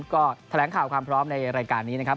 ก็แถลงข่าวความพร้อมในรายการนี้นะครับ